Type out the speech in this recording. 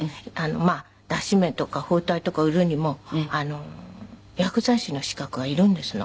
まあ脱脂綿とか包帯とか売るにも薬剤師の資格がいるんですの。